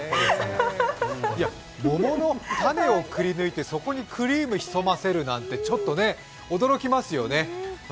桃の種をくり抜いて、そこにクリーム潜ませるなんてちょっと驚きますよね。